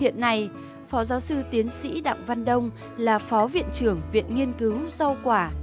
hiện nay phó giáo sư tiến sĩ đặng văn đông là phó viện trưởng viện nghiên cứu rau quả